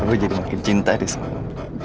aku jadi makin cinta di sana